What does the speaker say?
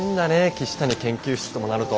岸谷研究室ともなると。